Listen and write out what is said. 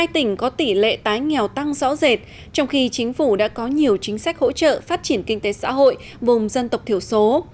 một mươi tỉnh có tỷ lệ tái nghèo tăng rõ rệt trong khi chính phủ đã có nhiều chính sách hỗ trợ phát triển kinh tế xã hội vùng dân tộc thiểu số